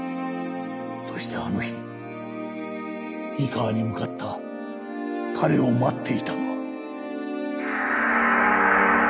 そしてあの日井川に向かった彼を待っていたのは。